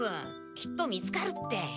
きっと見つかるって。